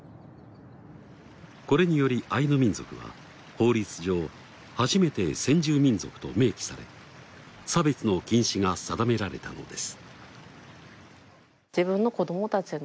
これによりアイヌ民族は法律上初めて先住民族と明記され差別の禁止が定められたのです。